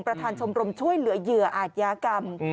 ประธานชมรมช่วยเหลือเหยื่ออาจญากรรม